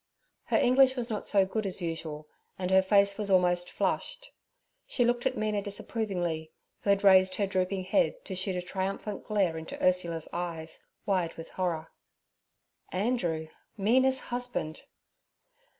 Her English was not so good as usual, and her face was almost flushed. She looked at Mina disapprovingly, who had raised her drooping head to shoot a triumphant glare into Ursula's eyes, wide with horror. Andrew, Mina's husband!